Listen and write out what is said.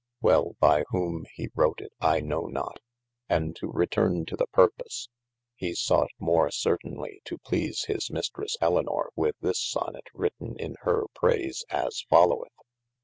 Wei by whome he wrote it I know not, and to returne to the purpose, he sought 415 THE ADVENTURES more certainelye to please his Mistresse Elynor with this Sonet written in hir praise as followeth.